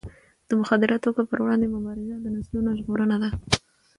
د مخدره توکو پر وړاندې مبارزه د نسلونو ژغورنه ده.